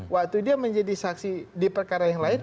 waktu dia menjadi saksi di perkara yang lain